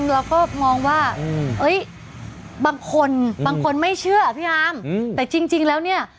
เราก็มองว่าบางคนบางคนไม่เชื่อพี่อาร์มแต่จริงแล้วเนี่ย